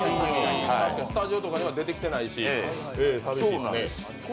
スタジオには出てきてないし、さみしいね。